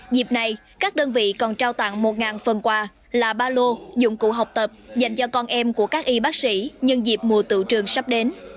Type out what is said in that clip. dịp này các đơn vị còn trao tặng một phần quà là ba lô dụng cụ học tập dành cho con em của các y bác sĩ nhân dịp mùa tự trường sắp đến